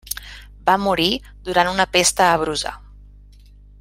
Va morir durant una pesta a Brusa.